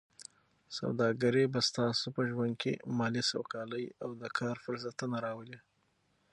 سوداګري به ستاسو په ژوند کې مالي سوکالي او د کار فرصتونه راولي.